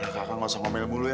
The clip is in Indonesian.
kak nggak usah ngomel mulu ya